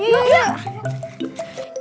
yuk yuk yuk